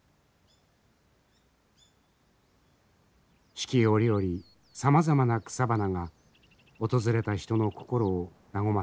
四季折々さまざまな草花が訪れた人の心を和ませています。